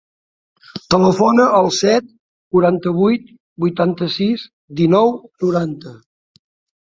Telefona al set, quaranta-vuit, vuitanta-sis, dinou, noranta.